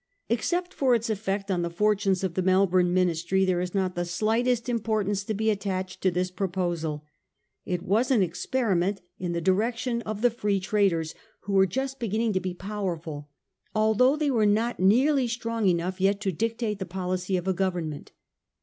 Except for its effect on the fortunes of the Melbourne Ministry there is not the slightest importance to be attached to this proposal. It was an experiment in the direction of the. 202 A HISTORY OF OUR OWN TIMES. OH. IX. Free Traders who were just beginning to be power ful; although they were not nearly strong enough yet to dictate the policy of a government.